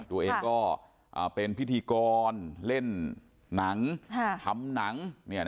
ตัวเองก็เป็นพิธีกรเล่นหนังทำหนัง